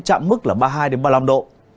chạm mức là ba mươi hai ba mươi năm độ